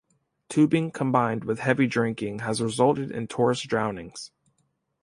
Tubing combined with heavy drinking has resulted in tourist drownings.